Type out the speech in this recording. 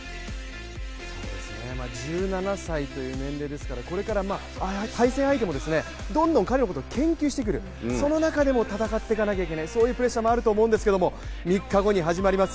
１７歳という年齢ですからこれから対戦相手もどんどん彼のことを研究してくる、その中でも戦ってかなきゃいけない、そういうプレッシャーもあると思うんですけれども３日後に始まります